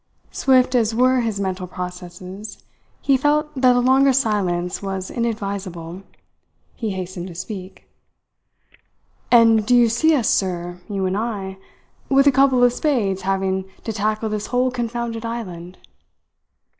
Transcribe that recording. Swift as were his mental processes, he felt that a longer silence was inadvisable. He hastened to speak: "And do you see us, sir, you and I, with a couple of spades having to tackle this whole confounded island?"